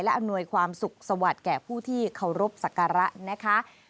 อำนวยความสุขสวัสดิ์แก่ผู้ที่เคารพสักการะนะคะ